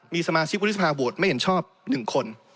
มีสมาชิกวุฒิสภาโหวตไม่เห็นชอบ๑คน